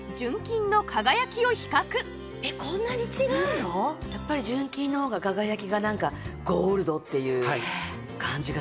ではここでやっぱり純金の方が輝きがなんかゴールドっていう感じがしますね。